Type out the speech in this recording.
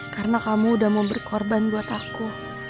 karena kamu udah mau berkorban buat aku